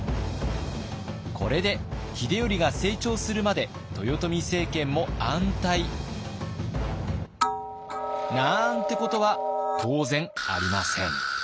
これで秀頼が成長するまで豊臣政権も安泰。なんてことは当然ありません。